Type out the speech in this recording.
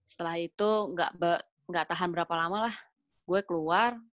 setelah itu nggak tahan berapa lama lah gue keluar